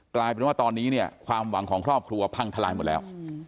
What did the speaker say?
กลายเป็นว่าตอนนี้เนี่ยความหวังของครอบครัวพังทลายหมดแล้ว